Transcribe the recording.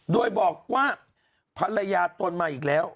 โดยบอกว่าภรรยาตนมาอีกแล้ว